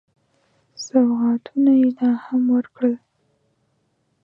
سوغاتونه یې لا هم ورکړل.